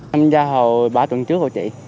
tham gia hồi ba tuần trước hả chị